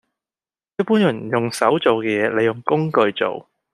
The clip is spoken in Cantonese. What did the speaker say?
一般人用手做嘅嘢，你用工具做